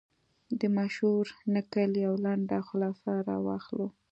د مشهور نکل یوه لنډه خلاصه را واخلو.